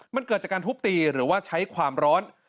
มันเกิดจากการทุบตีหรือว่าใช้ความร้อน